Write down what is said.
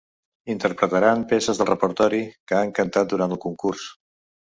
Interpretaran peces del repertori que han cantat durant el concurs.